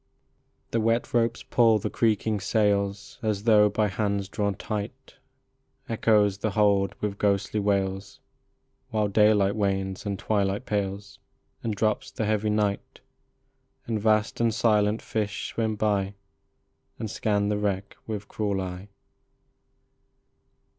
The wet ropes pull the creaking sails, As though by hands drawn tight. Echoes the hold with ghostly wails, While daylight wanes, and twilight pales, And drops the heavy night, 50 DERELICT. And vast and silent fish swim by, And scan the wreck with cruel eye.